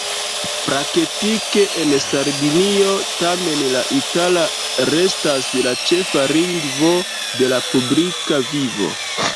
Praktike en Sardinio tamen la itala restas la ĉefa lingvo de la publika vivo.